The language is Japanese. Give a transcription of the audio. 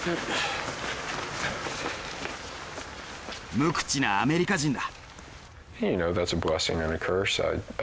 無口なアメリカ人だ。